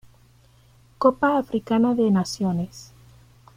Copa Africana de Naciones.